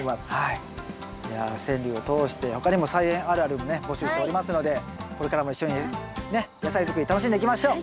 いや川柳を通して他にも「菜園あるある」もね募集しておりますのでこれからも一緒にね野菜作り楽しんでいきましょう！